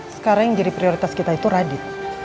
sekarang yang jadi prioritas kita itu radit